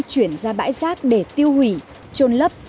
chuyển ra bãi rác để tiêu hủy trôn lấp